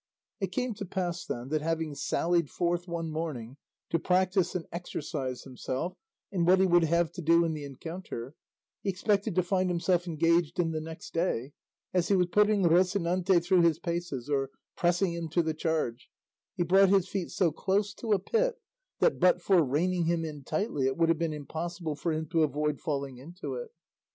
It came to pass, then, that having sallied forth one morning to practise and exercise himself in what he would have to do in the encounter he expected to find himself engaged in the next day, as he was putting Rocinante through his paces or pressing him to the charge, he brought his feet so close to a pit that but for reining him in tightly it would have been impossible for him to avoid falling into it.